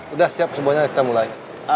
udah siap semuanya kita mulai